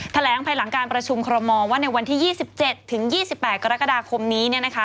แถลงภายหลังการประชุมคอรมอลว่าในวันที่๒๗ถึง๒๘กรกฎาคมนี้